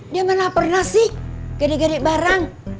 dia pernah pernah sih gede gede barang